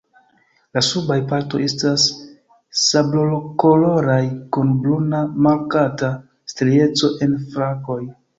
La subaj partoj estas sablokoloraj kun bruna markata strieco en flankoj.